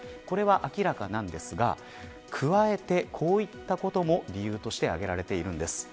これは明らかなんですが、加えてこういったことも理由として挙げられているんです。